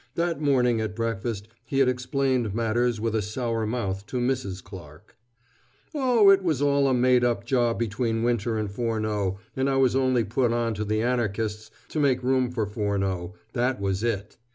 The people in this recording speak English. That morning at breakfast he had explained matters with a sour mouth to Mrs. Clarke. "Oh, it was all a made up job between Winter and Furneaux, and I was only put on to the Anarchists to make room for Furneaux that was it.